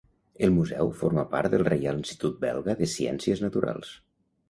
El museu forma part del Reial Institut belga de ciències naturals.